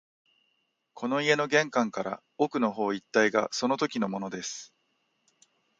この家の玄関から奥の方一帯がそのときのものです